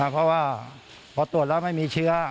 เพราะว่าพอตรวจแล้วไม่มีเชื้อ